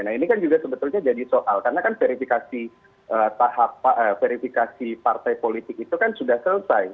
nah ini kan juga sebetulnya jadi soal karena kan verifikasi tahap verifikasi partai politik itu kan sudah selesai